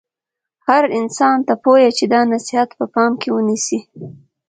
هر انسان ته پویه چې دا نصحیت په پام کې ونیسي.